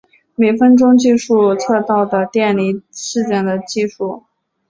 每分钟计数测到的电离事件的计数。